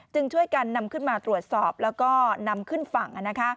ช่วยกันนำขึ้นมาตรวจสอบแล้วก็นำขึ้นฝั่ง